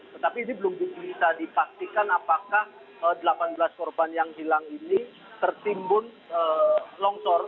tetapi ini belum bisa dipastikan apakah delapan belas korban yang hilang ini tertimbun longsor